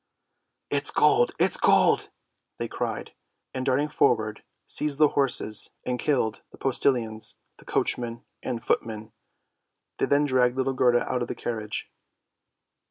" It is gold, it is gold! " they cried, and darting forward, seized the horses, and killed the postilions, the coachman, and footman. They then dragged little Gerda out of the carriage.